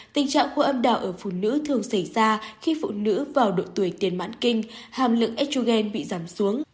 tình trạng hô âm đạo ở phụ nữ thường xảy ra khi phụ nữ vào độ tuổi tiền mãn kinh hàm lượng edgeogen bị giảm xuống